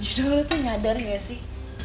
jidul lo tuh nyadar gak sih